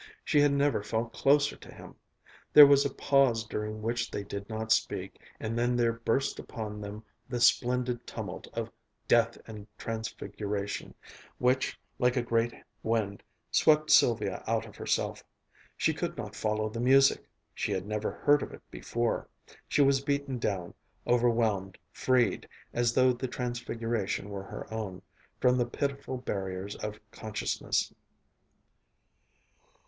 She had never felt closer to him. There was a pause during which they did not speak, and then there burst upon them the splendid tumult of "Death and Transfiguration," which, like a great wind, swept Sylvia out of herself. She could not follow the music she had never heard of it before. She was beaten down, overwhelmed, freed, as though the transfiguration were her own, from the pitiful barriers of consciousness....